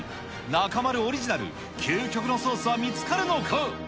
中丸オリジナル究極のソースは見つかるのか。